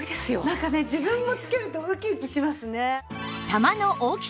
なんかね自分も着けるとウキウキしますね。